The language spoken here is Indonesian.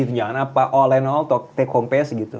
tunjangan apa all and all take home pay nya segitu